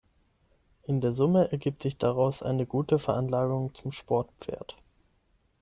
In der Summe ergibt sich daraus eine gute Veranlagung zum Sportpferd.